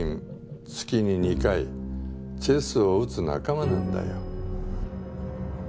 月に２回チェスを打つ仲間なんだよ。